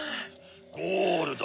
ゴールド。